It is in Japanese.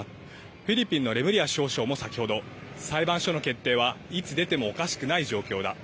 フィリピンのレムリア司法相も先ほど、裁判所の決定はいつ出てもおかしくない状況だ。